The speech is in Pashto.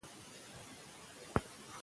سوداګر په لاهور کي آسونه پلوري.